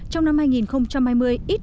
trong năm hai nghìn hai mươi ít